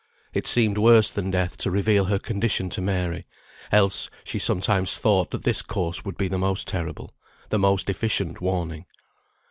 It seemed worse than death to reveal her condition to Mary, else she sometimes thought that this course would be the most terrible, the most efficient warning.